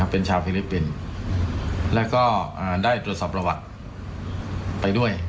เป็นชาวฟิลิปปินส์แล้วก็ได้ตรวจสอบประวัติไปด้วย